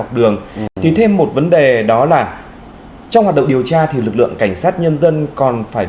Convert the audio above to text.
đường thì thêm một vấn đề đó là trong hoạt động điều tra thì lực lượng cảnh sát nhân dân còn phải